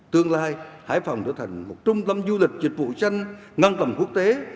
tương lai hải phòng trở thành một trung tâm du lịch dịch vụ xanh ngăn tầm quốc tế